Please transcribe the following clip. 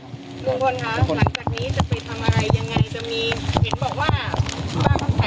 ลุงพลคะหลังจากนี้จะไปทำอะไรยังไงจะมีเห็นบอกว่า